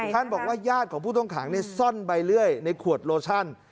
ท่านบอกว่าญาติของผู้ต้องขังซ่อนใบเลื่อยในขวดโลชั่น